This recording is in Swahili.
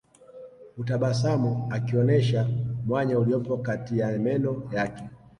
Hutabasamu akionesha mwanya uliopo kati ya meno yake